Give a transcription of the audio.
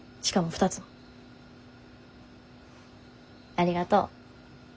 ありがとう。